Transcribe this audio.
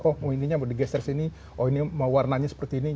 oh ininya mau digeser sini oh ini mau warnanya seperti ini